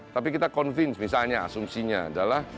tapi kita convince misalnya asumsinya adalah